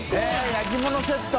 「焼き物セット」